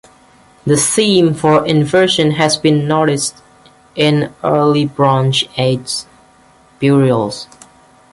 The theme of inversion has been noticed in some Early Bronze Age burials.